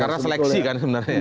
karena seleksi kan sebenarnya